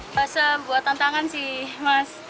bahasa buat tantangan sih mas